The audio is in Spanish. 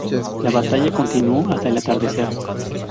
La batalla continuó hasta el atardecer.